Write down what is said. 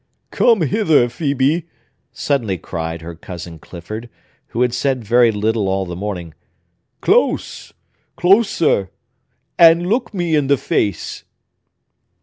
"Come hither, Phœbe," suddenly cried her cousin Clifford, who had said very little all the morning. "Close!—closer!—and look me in the face!"